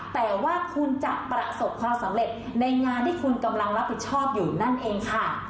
แต่ว่าคุณจะประสบความสำเร็จในงานที่คุณกำลังรับผิดชอบอยู่นั่นเองค่ะ